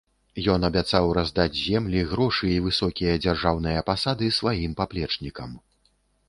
Ён абяцаў раздаць землі, грошы і высокія дзяржаўныя пасады сваім паплечнікам.